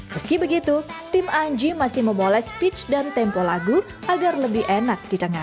meski begitu tim anji masih memoles pitch dan tempo lagu agar lebih enak ditengah